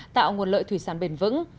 tạo nguồn lợi thủy sản bền vững